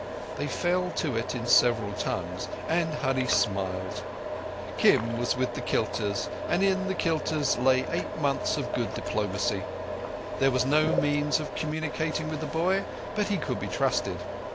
They fell to it in several tongues, and Hurree smiled. Kim was with the kiltas, and in the kiltas lay eight months of good diplomacy. There was no means of communicating with the boy, but he could be trusted.